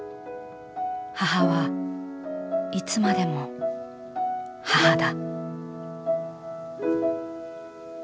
母はいつまでも母だ」。